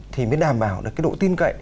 thì mới đảm bảo được cái độ tin cậy